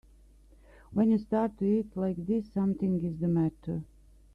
When you start to eat like this something is the matter.